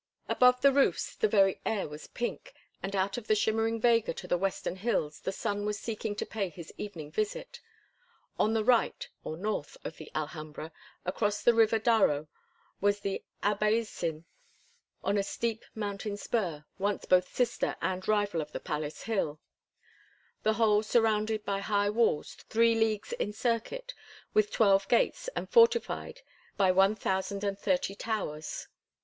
Above the roofs the very air was pink; and out on the shimmering vega to the western hills the sun was seeking to pay his evening visit. On the right, or north, of the Alhambra, across the river Darro, was the Albaicin on a steep mountain spur, once both sister and rival of the palace hill, "the whole surrounded by high walls three leagues in circuit, with twelve gates, and fortified by 1030 towers."